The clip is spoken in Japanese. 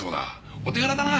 お手柄だな！